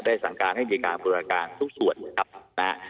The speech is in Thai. ได้สั่งการให้บริการบริการทุกส่วนนะครับนะฮะ